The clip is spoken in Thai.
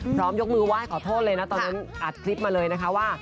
ยกมือไหว้ขอโทษเลยนะตอนนั้นอัดคลิปมาเลยนะคะว่า